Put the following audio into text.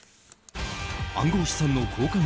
暗号資産の交換